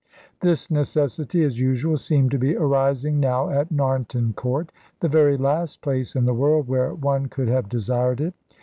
This necessity, as usual, seemed to be arising now at Narnton Court the very last place in the world where one could have desired it.